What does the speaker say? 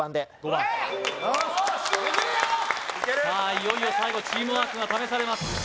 いよいよ最後チームワークが試されます